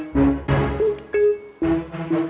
jom ejen yang kot